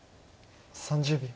３０秒。